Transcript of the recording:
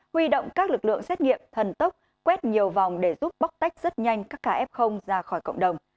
huy động các lực lượng xét nghiệm thần tốc quét nhiều vòng để giúp bóc tách rất nhanh các ca f ra khỏi cộng đồng